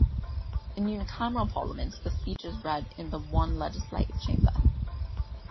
In unicameral parliaments, the speech is read in the one legislative chamber.